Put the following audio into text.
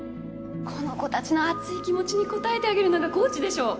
この子たちの熱い気持ちに応えてあげるのがコーチでしょ！